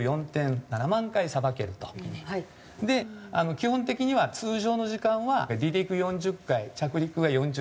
基本的には通常の時間は離陸４０回着陸が４０回。